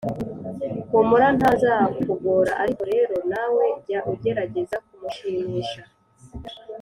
humura ntazakugora, ariko rero nawe jya ugerageza kumushimisha.